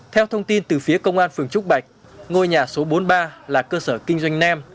theo thông tin từ phía công an phường trúc bạch ngôi nhà số bốn mươi ba là cơ sở kinh doanh nem